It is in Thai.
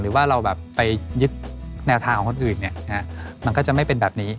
หรือว่าเราแบบไปยึดแนวทางของคนอื่นมันก็จะไม่เป็นแบบนี้